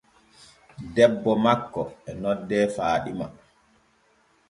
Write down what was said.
Debbo makko e noddee faaɗima.